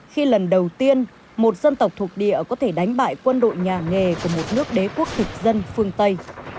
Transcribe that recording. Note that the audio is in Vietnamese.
khi lần đầu tiên một dân tộc thuộc địa có thể đánh bại quân đội nhà nghề của một nước đế quốc thực dân phương tây